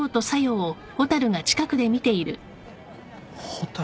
蛍。